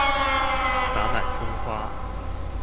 灑滿蔥花